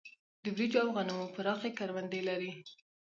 د وريجو او غنمو پراخې کروندې لري.